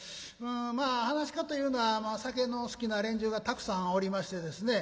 まあ噺家というのは酒の好きな連中がたくさんおりましてですね